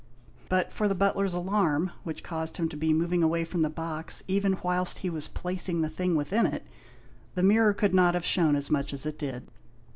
But for the butler's alarm, which caused him to be moving away from the box even whilst he was placing the thing within it, the mirror could not have shewn as much as it did.